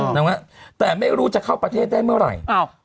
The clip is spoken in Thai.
แต่ยังไม่รู้จะเข้าประเทศได้เมื่อไหร่